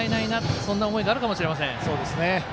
そんな思いがあるかもしれません。